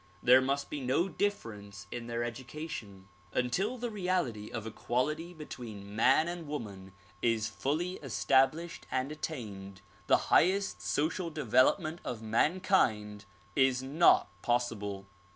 There must be no difference in their education. Un til the reality of equality between man and woman is fully estab lished and attained, the highest social development of mankind is not possible.